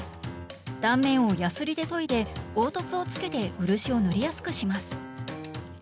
断面をヤスリで研いで凹凸をつけて漆を塗りやすくします。